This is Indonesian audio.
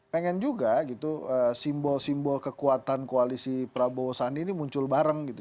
pengen juga gitu simbol simbol kekuatan koalisi prabowo sandi ini muncul bareng gitu